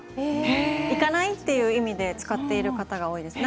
行かない？という意味で使っている方多いですね。